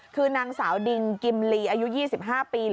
คือนางสาวดิงกิมลีอายุ๒๕ปี